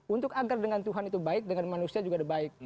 untuk agar dengan tuhan itu baik dengan manusia juga baik